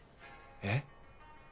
えっ？